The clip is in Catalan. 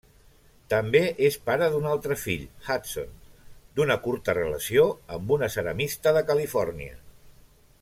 També és pare d'un altre fill, Hudson, d'una curta relació amb una ceramista de Califòrnia.